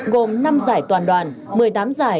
gồm năm giải toàn đoàn một mươi tám giải